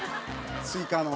スイカの。